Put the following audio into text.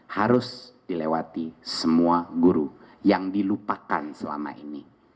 harus dilewati semua guru yang dilupakan selama ini